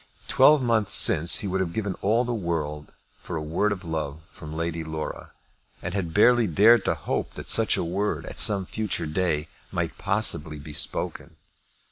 Twelve months since he would have given all the world for a word of love from Lady Laura, and had barely dared to hope that such a word, at some future day, might possibly be spoken.